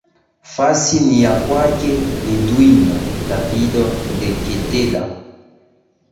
fasi ni ya kwake edwin david ndeketela